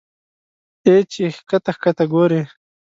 اې چې ښکته ښکته ګورې